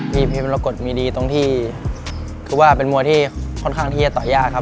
มีเพลงมรกฏมีดีตรงที่คือว่าเป็นมวยที่ค่อนข้างที่จะต่อยากครับ